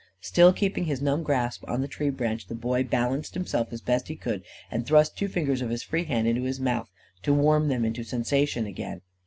Still keeping his numb grasp on the tree branch, the boy balanced himself as best he could, and thrust two fingers of his free hand into his mouth to warm them into sensation again.